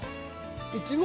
いちご！？